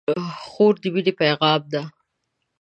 خور د مینې پیغام ده.